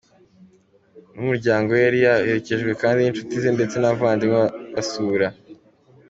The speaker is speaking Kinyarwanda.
n'umuryango we yari yaherekejwe kandi n'inshuti ze ndetse n'abavandimwe basura